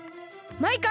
マイカ！